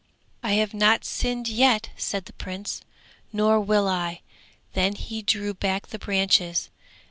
'I have not sinned yet!' said the Prince, 'nor will I'; then he drew back the branches.